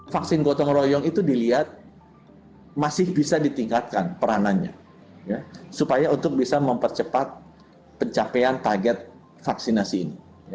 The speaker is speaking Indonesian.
vaksin gotong royong itu dilihat masih bisa ditingkatkan peranannya supaya untuk bisa mempercepat pencapaian target vaksinasi ini